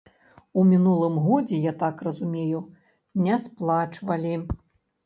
У мінулым годзе, я так разумею, не сплачвалі.